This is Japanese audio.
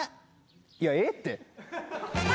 いやえっ？って。